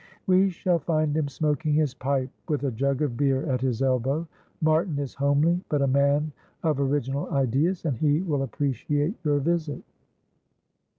"We shall find him smoking his pipe, with a jug of beer at his elbow. Martin is homely, but a man of original ideas, and he will appreciate your visit."